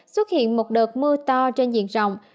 xuất hiện một đợt mưa to trên diện rộng